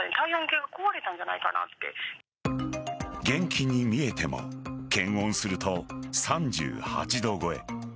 元気に見えても検温すると３８度超え。